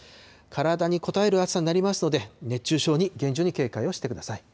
体にこたえる暑さになりますので、熱中症に厳重に警戒をしてください。